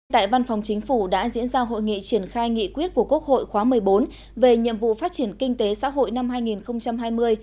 tại văn phòng chính phủ đã diễn ra hội nghị triển khai nghị quyết của quốc hội khóa một mươi bốn về nhiệm vụ phát triển kinh tế xã hội năm hai nghìn hai mươi